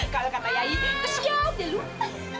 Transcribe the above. kalau kata yayi kesiap dia lupa